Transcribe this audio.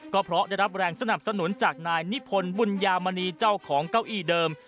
ก็เพราะได้รับแรงสนับสนุนจากนายนิพนธ์บุญญามณีเจ้าของเก้าอี้เดิม